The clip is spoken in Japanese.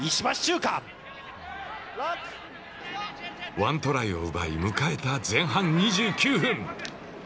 ワントライを奪い、迎えた前半２９分。